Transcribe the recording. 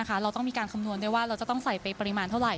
เราต้องมีการคำนวณด้วยว่าเราจะต้องใส่ไปปริมาณเท่าไห